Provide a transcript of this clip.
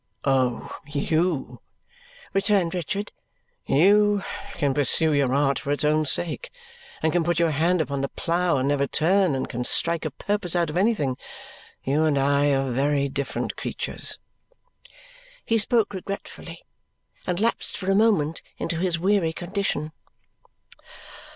"Oh! You," returned Richard, "you can pursue your art for its own sake, and can put your hand upon the plough and never turn, and can strike a purpose out of anything. You and I are very different creatures." He spoke regretfully and lapsed for a moment into his weary condition.